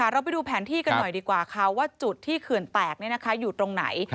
เราไปดูแผนที่กันหน่อยดีกว่าค่ะว่าจุดที่เขื่อนแตกอยู่ตรงไหน